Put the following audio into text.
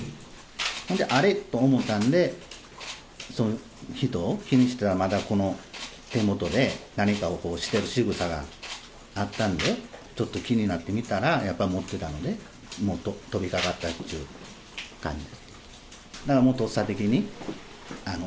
あれっと思ったんで、その人を気にしてたら、まだ手元で何かをしてるしぐさがあったんで、ちょっと気になって見たら、やっぱり持ってたので、もう飛びかかったっていう感じです。